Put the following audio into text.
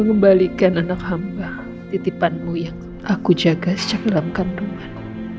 mengembalikan anak hamba titipanmu yang aku jaga secara dalam kandungan